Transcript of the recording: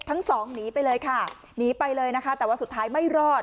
ทั้งสองหนีไปเลยค่ะหนีไปเลยนะคะแต่ว่าสุดท้ายไม่รอด